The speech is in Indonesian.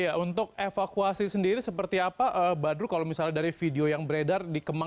ya untuk evakuasi sendiri seperti apa badru kalau misalnya dari video yang beredar